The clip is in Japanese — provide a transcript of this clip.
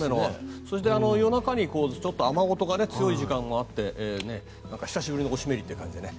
そして、夜中にちょっと雨音が強い時間があって久しぶりのお湿りっていう感じでね。